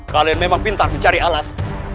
kalian memang pintar mencari alas